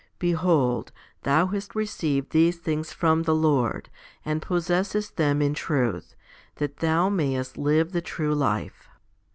Behold, thou hast received these things from the Lord and possesses! them in truth, that thou mayest live the true life.